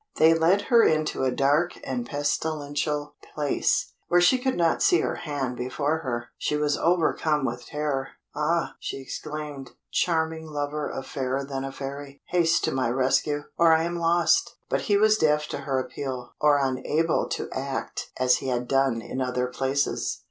They led her into a dark and pestilential place, where she could not see her hand before her. She was overcome with terror. "Ah!" she exclaimed, "charming lover of Fairer than a Fairy, haste to my rescue, or I am lost!" But he was deaf to her appeal, or unable to act as he had done in other places.